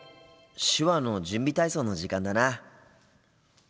手話の準備体操の時間だな。